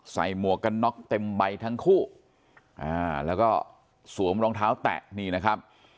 หมวกกันน็อกเต็มใบทั้งคู่อ่าแล้วก็สวมรองเท้าแตะนี่นะครับ